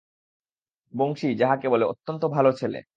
বংশী, যাহাকে বলে, অত্যন্ত ভালো ছেলে।